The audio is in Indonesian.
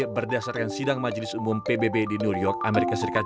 berdasarkan sidang majelis umum pbb di new york amerika serikat